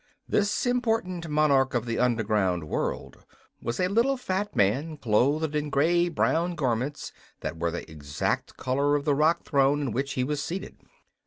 This important monarch of the Underground World was a little fat man clothed in gray brown garments that were the exact color of the rock throne in which he was seated.